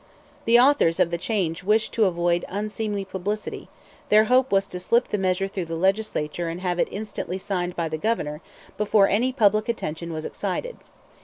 The authors of the change wished to avoid unseemly publicity; their hope was to slip the measure through the Legislature and have it instantly signed by the Governor, before any public attention was excited.